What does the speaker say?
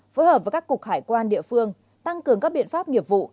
phối hợp với các cục hải quan địa phương tăng cường các biện pháp nghiệp vụ